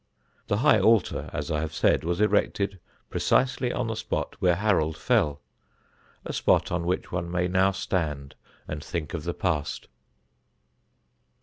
The high altar, as I have said, was erected precisely on the spot where Harold fell: a spot on which one may now stand and think of the past.